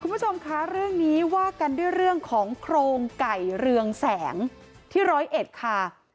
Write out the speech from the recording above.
คุณผู้ชมคะเรื่องนี้ว่ากันด้วยเรื่องของโครงไก่เรืองแสงที่ร้อยเอ็ดค่ะ